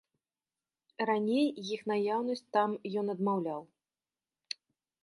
Раней іх наяўнасць там ён адмаўляў.